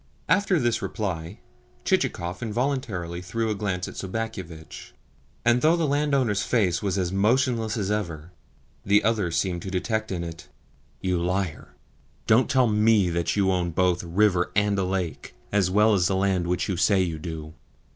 After this reply Chichikov involuntarily threw a glance at Sobakevitch; and though that landowner's face was as motionless as every other, the other seemed to detect in it: "You liar! Don't tell ME that you own both a river and a lake, as well as the land which you say you do."